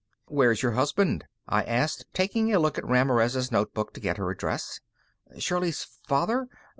"Where's your husband?" I asked taking a look at Ramirez' notebook to get her address. "Shirley's father?